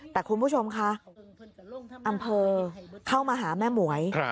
แต่คุณผู้ชมคะอำเภอเข้ามาหาแม่หมวย